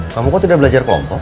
kamu kok tidak belajar kelompok